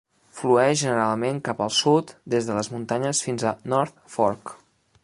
Flueix generalment cap al sud des de les muntanyes fins a North Fork.